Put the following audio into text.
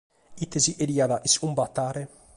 Ite si cheriat iscumbatare?